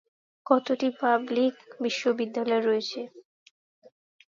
কতটি পাবলিক বিশ্ববিদ্যালয় রয়েছে।